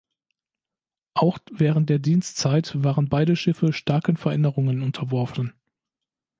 Auch während der Dienstzeit waren beide Schiffe starken Veränderungen unterworfen.